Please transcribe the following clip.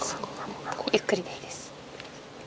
ゆっくりでいいです。